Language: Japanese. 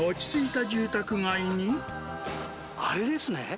あれですね。